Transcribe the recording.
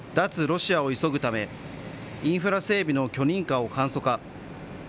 ロシアを急ぐため、インフラ整備の許認可を簡素化。